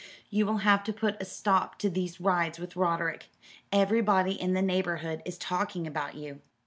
"You will have to put a stop to these rides with Roderick. Everybody in the neighbourhood is talking about you."